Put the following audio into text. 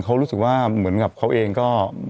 เขารู้สึกว่าเหมือนกับเขาเองก็